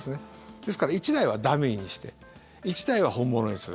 ですから１台はダミーにして１台は本物にする。